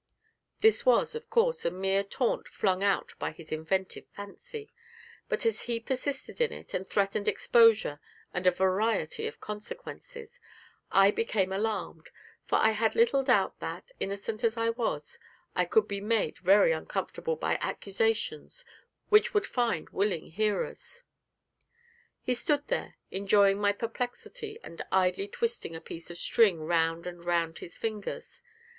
This was, of course, a mere taunt flung out by his inventive fancy; but as he persisted in it, and threatened exposure and a variety of consequences, I became alarmed, for I had little doubt that, innocent as I was, I could be made very uncomfortable by accusations which would find willing hearers. He stood there enjoying my perplexity and idly twisting a piece of string round and round his fingers.